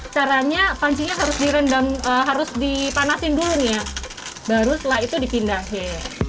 caranya pancinya harus dipanasin dulu baru setelah itu dipindahkan